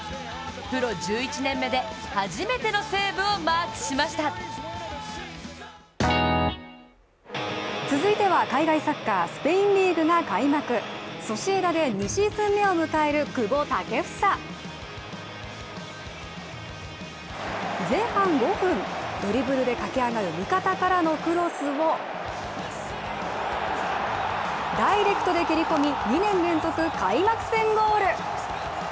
プロ１１年目で初めてのセーブをマークしましたソシエダで２シーズン目を迎える久保建英。前半５分、ドリブルで駆け上がる味方からのクロスをダイレクトで蹴り込み２年連続開幕戦ゴール。